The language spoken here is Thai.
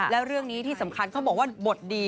แล้วเรื่องนี้ที่สำคัญเขาบอกว่าบทดี